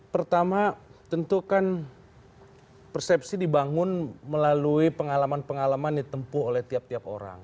pertama tentu kan persepsi dibangun melalui pengalaman pengalaman ditempuh oleh tiap tiap orang